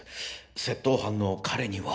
窃盗犯の彼には。